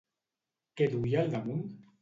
Què duia al damunt?